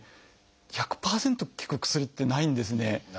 １００％効く薬ってないんですね。